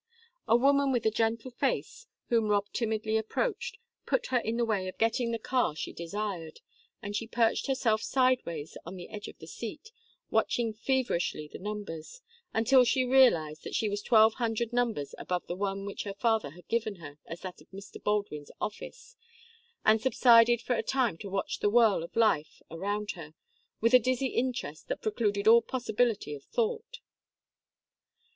A woman with a gentle face, whom Rob timidly approached, put her in the way of getting the car she desired, and she perched herself sideways on the edge of the seat, watching feverishly the numbers, until she realized that she was twelve hundred numbers above the one which her father had given her as that of Mr. Baldwin's office, and subsided for a time to watch the whirl of life around her, with a dizzy interest that precluded all possibility of thought.